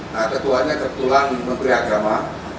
nah ketuanya ketulangan menteri agama